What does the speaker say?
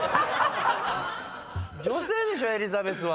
女性でしょ「エリザベス」は。